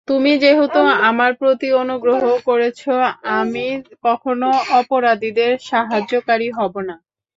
তুমি যেহেতু আমার প্রতি অনুগ্রহ করেছ, আমি কখনও অপরাধীদের সাহায্যকারী হবো না।